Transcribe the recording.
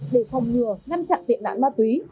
để phòng ngừa ngăn chặn tiện nạn ma túy